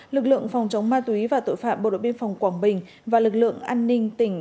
lực lượng phòng chống ma túy và tội phạm bộ đội biên phòng quảng bình và lực lượng an ninh tỉnh